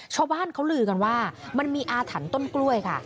ชาวบ้านเขาลือกันว่ามันมีอาถรรพ์ต้นกล้วยค่ะ